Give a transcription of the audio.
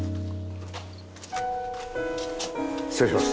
失礼します。